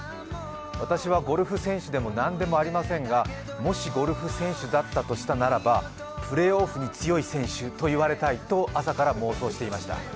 私はゴルフ選手でも何でもありませんが、もしゴルフ選手だったとしたならばプレーオフに強い選手と言われたいと朝から妄想していました。